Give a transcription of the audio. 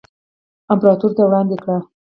امپراتور ته وړاندې کړه.